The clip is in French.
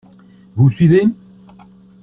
Vous me suivez?